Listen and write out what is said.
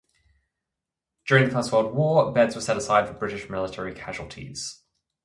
During the First World War beds were set aside for British military casualties.